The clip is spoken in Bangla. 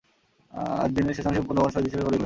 আর দিনের শেষাংশে পুণ্যবান শহীদ হিসেবে পরিগণিত হলেন।